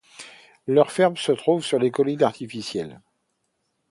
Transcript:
Leurs fermes se trouvent sur des collines artificielles.